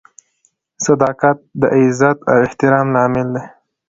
• صداقت د عزت او احترام لامل دی.